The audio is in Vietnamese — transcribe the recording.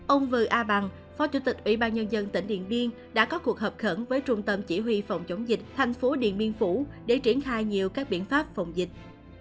ông vừa a bằng phó chủ tịch ủy ban nhân dân tỉnh điện biên đã có cuộc họp khẩn với trung tâm chỉ huy phòng chống dịch thành phố điện biên phủ để triển khai nhiều các biện pháp phòng dịch